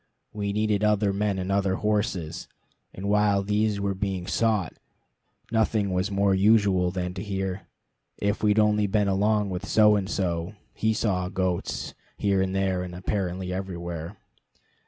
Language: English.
We needed other men and other horses; and while these were being sought, nothing was more usual than to hear "if we'd only been along with So and So, he saw goats" here and there, and apparently everywhere.